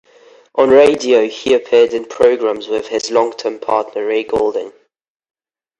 On radio, he appeared in programs with his long-time partner Ray Goulding.